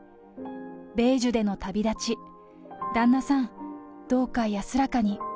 米寿での旅立ち、旦那さん、どうか安らかに。